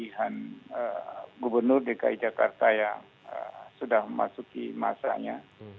pemilihan gubernur dki jakarta yang sudah memasuki masanya